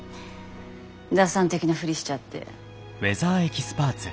打算的なふりしちゃって。